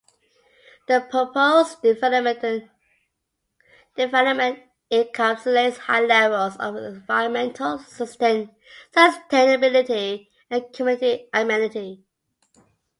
The proposed development encapsulates high levels of environmental sustainability and community amenity.